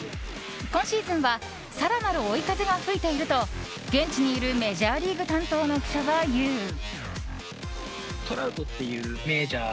今シーズンは更なる追い風が吹いていると現地にいるメジャーリーグ担当の記者は言う。